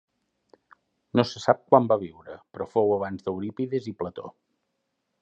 No se sap quan van viure, però fou abans d'Eurípides i Plató.